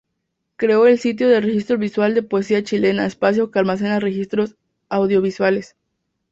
Creó el sitio Registro Visual de Poesía Chilena, espacio que almacena registros audiovisuales.